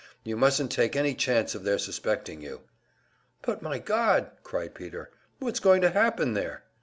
"You mustn't take any chance of their suspecting you." "But, my God!" cried Peter. "What's going to happen there?"